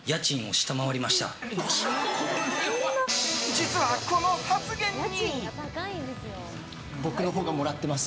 実は、この発言に。